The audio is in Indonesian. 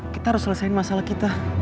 kita harus selesaikan masalah kita